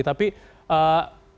tapi untuk saat ini